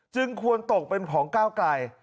ควรตกเป็นของก้าวไกล